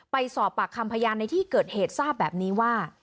ไปสอบปากคำพยานในที่เกิดเหตุทราบแบบนี้ว่า